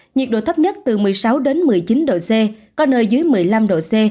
nhiệt độ thấp nhất từ một mươi sáu đến một mươi chín độ c có nơi dưới một mươi năm độ c